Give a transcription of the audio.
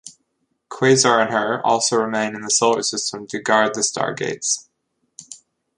Quasar and Her also remain in the Solar System to guard the stargates.